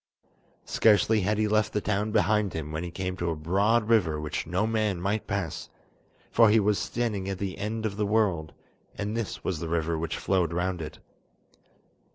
Scarcely had he left the town behind him when he came to a broad river which no man might pass, for he was standing at the end of the world, and this was the river which flowed round it.